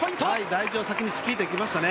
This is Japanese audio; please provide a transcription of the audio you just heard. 台上、先にチキータいきましたね。